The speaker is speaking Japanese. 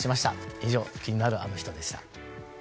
以上、気になるアノ人でした。